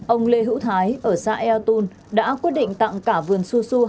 ông lê hữu thái ở xã eo tun đã quyết định tặng cả vườn xu xu